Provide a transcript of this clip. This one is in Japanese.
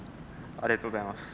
ありがとうございます。